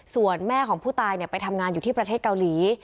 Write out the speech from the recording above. ส่วนแม่ของผู้ตายไปทำงานอยู่ที่ประเทศเกาหลี